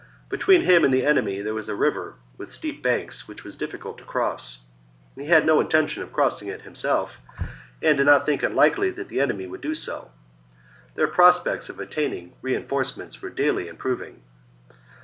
Between him and the enemy there was a river with steep banks, which was difficult to cross. He had no intention of crossing it himself, and did not think it likely that the enemy would do so. Their prospects of obtaining reinforcements were daily improving.